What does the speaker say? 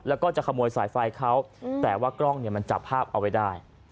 แล้วก็จะขโมยสายไฟเขาแต่ว่ากล้องเนี่ยมันจับภาพเอาไว้ได้